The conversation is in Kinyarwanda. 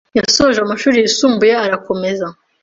yasoje amashuri yisumbuye arakomeza